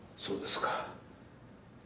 そうですか。